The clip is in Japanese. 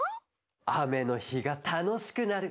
あめのひがたのしくなる